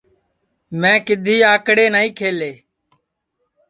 میں کِدھی اکڑے نائی کھیلے